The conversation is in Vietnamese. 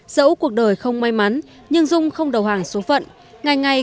dẫu cuộc đời không may mắn nhưng dung không đầu hàng số phận